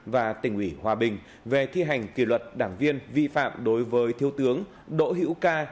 và tỉnh ủy hòa bình về thi hành kỷ luật đảng viên vi phạm đối với thiếu tướng đỗ hữu ca